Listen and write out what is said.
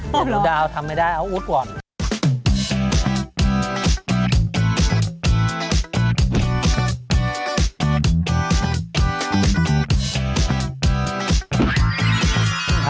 อ๋อเหรอนี่ทำไม่ได้เอาอุดก่อน